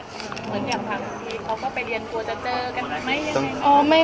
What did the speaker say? อย่างพี่เขาก็ไปเรียนกลัวจะเจอกันไหม